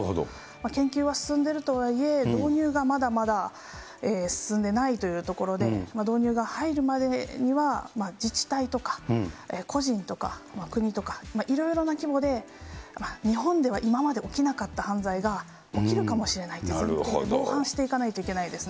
研究は進んでいるとはいえ、導入がまだまだ進んでないというところで、導入が入るまでには自治体とか個人とか、国とか、いろいろな規模で日本では今まで起きなかった犯罪が、起きるかもしれないという前提で防犯していかないといけないですね。